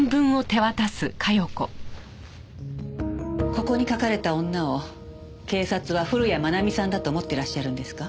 ここに書かれた女を警察は古谷愛美さんだと思ってらっしゃるんですか？